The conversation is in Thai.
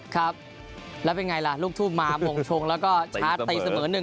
ครับแล้วเป็นไงล่ะลูกทุ่มมามงชงแล้วก็ชาร์จตีเสมอหนึ่ง